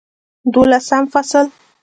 دولسم فصل